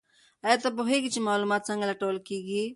ایا ته پوهېږې چې معلومات څنګه لټول کیږي؟